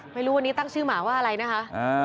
ไม่รู้วันนี้ตั้งชื่อหมาว่าอะไรนะคะ